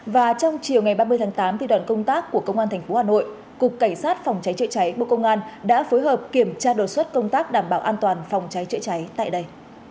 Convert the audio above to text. và trong chiều ngày ba mươi tháng tám đoàn công tác của công an tp hà nội cục cảnh sát phòng cháy chữa cháy bộ công an đã phối hợp kiểm tra đột xuất công tác đảm bảo an toàn phòng cháy chữa cháy tại đây